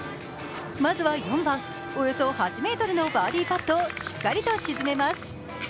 まずは４番、およそ８ｍのバーディーパットをしっかりと沈めます。